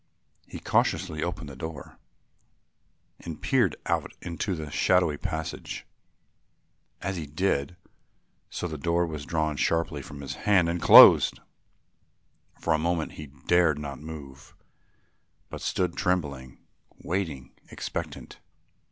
He cautiously opened the door and peered out into the shadowy passage. As he did so the door was drawn sharply from his hand and closed. For a moment he dared not move, but stood trembling, waiting, expectant.